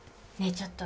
ちょっと。